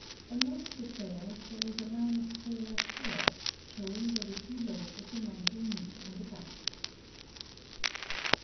On most Cypraeas there is a line of paler color, showing where the two lobes of the mantle meet on the back.